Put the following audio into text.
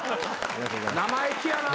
生意気やな。